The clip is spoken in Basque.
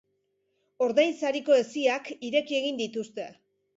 Ordainsariko hesiak ireki egin dituzte.